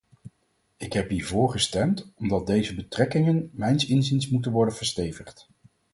Ik heb hiervoor gestemd omdat deze betrekkingen mijns inziens moeten worden verstevigd.